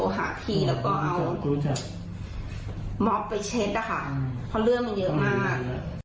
หาทีแล้วก็เอามอบไปเช็ดนะคะเพราะเรื่องมันเยอะมาก